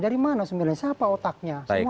dari mana sebenarnya siapa otaknya semua